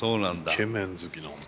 イケメン好きなんだ。